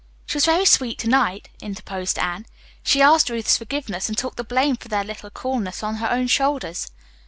"She was very sweet to night," interposed Anne. "She asked Ruth's forgiveness and took the blame for their little coolness on her own shoulders."